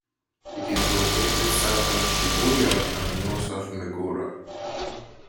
It is located south of Shibuya and north of Meguro.